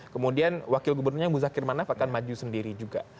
kemudian wakil gubernurnya muzakir manaf akan maju sendiri juga